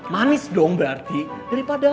manis dong berarti daripada